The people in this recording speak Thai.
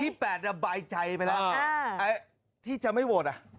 ที่๘ระบายใจไปแล้วที่จะไม่โหวตอ่ะ